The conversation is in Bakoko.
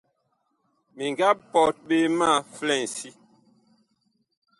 Mi nga pɔt ɓe ma flɛŋsi.